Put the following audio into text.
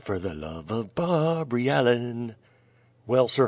Fer the love of B a r b bry Al len!" Well sir!